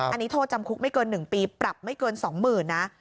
อันนี้โทษจำคุกไม่เกิน๑ปีปรับไม่เกิน๒๐๐๐นะ